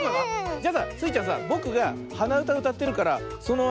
じゃあさスイちゃんさぼくがはなうたうたってるからそのあいだにこれはめて。